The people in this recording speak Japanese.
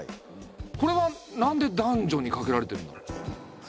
これは何で男女にかけられてるんだろう？